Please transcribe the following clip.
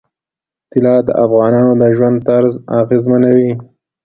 طلا د افغانانو د ژوند طرز اغېزمنوي.